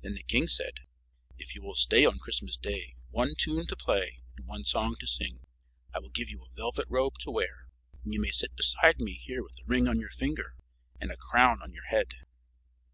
Then the king said, "If you will stay on Christmas day one tune to play and one song to sing, I will give you a velvet robe to wear, and you may sit beside me here with a ring on your finger and a crown on your head."